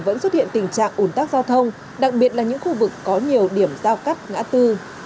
vẫn xuất hiện tình trạng ủn tắc giao thông đặc biệt là những khu vực có nhiều điểm giao cắt ngã tư